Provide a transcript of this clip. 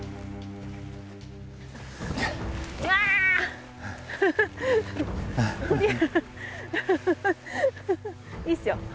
いいっすよ。